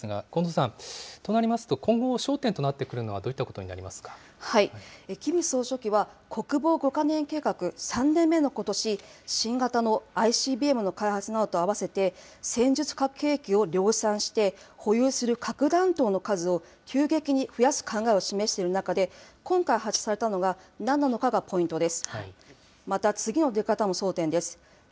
では引き続き、国際部のこんどう記者に聞いていきますが、こんどうさん、となりますと、今後、焦点となってくるのはどういったこキム総書記は、国防５か年計画、３年目のことし、新型のＩＣＢＭの開発などと合わせて、戦術核兵器を量産して、保有する核弾頭の数を急激に増やす考えを示している中で、今回発射されたのがなんなのかがポイントです。